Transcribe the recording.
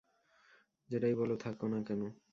যেটাই বলো থাকো না কেন।